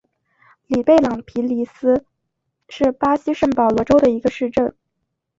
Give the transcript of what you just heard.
里贝朗皮里斯是巴西圣保罗州的一个市镇。